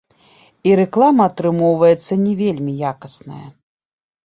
І рэклама атрымоўваецца не вельмі якасная.